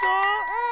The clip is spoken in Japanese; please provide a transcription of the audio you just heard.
うん。